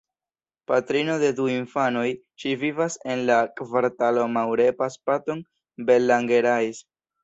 Patrino de du infanoj, ŝi vivas en la kvartalo Maurepas-Patton-Bellangerais.